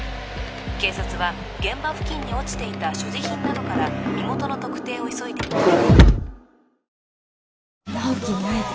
警察は現場付近に落ちていた所持品などから身元の特定を急いでいます